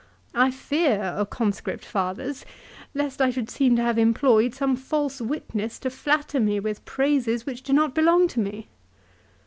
I fear, O conscript fathers, lest I should seem to have employed some false witness to flatter me with praises which do not belong to me.